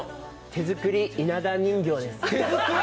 手作り稲田人形です。